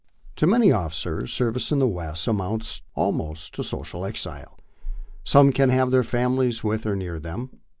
To many officers, service in the West amounts almost to social exile. Some can have their families with or near them.